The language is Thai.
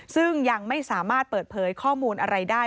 ซึ่งยังไม่สามารถเปิดเผยข้อมูลอะไรได้